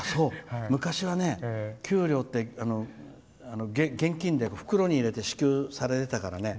昔は、給料って現金で袋に入れて支給されてたからね。